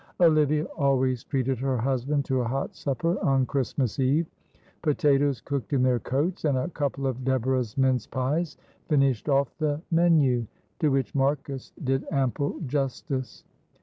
Olivia always treated her husband to a hot supper on Christmas Eve. Potatoes cooked in their coats, and a couple of Deborah's mince pies, finished off the menu, to which Marcus did ample justice.